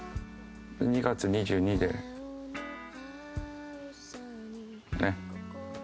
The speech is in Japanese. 「２月２２でねえ。